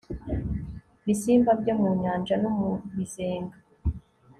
bisimba byo mu nyanja no mu bizenga